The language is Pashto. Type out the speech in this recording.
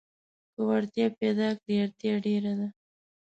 که وړتيا پيداکړې اړتيا ډېره ده.